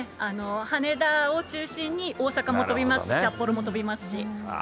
羽田を中心に大阪も飛びますし、札幌も飛びますし。